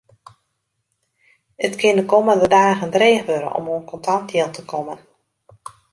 It kin de kommende dagen dreech wurde om oan kontant jild te kommen.